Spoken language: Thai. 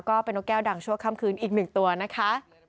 ก็เป็นนกแก้วดังชั่วค่ำคืนอีกหนึ่งตัวนะคะ